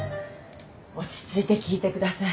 落ち着いて聞いてください。